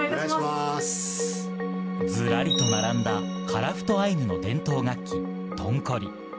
ずらりと並んだ樺太アイヌの伝統楽器・トンコリ。